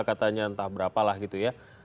katanya entah berapa lah gitu ya